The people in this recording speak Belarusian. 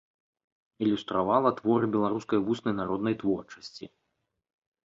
Ілюстравала творы беларускай вуснай народнай творчасці.